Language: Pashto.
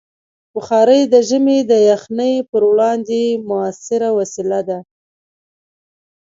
بخاري د ژمي د یخنۍ پر وړاندې مؤثره وسیله ده.